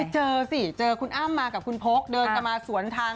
เจอสิเจอคุณอ้ำมากับคุณพกเดินกลับมาสวนทาง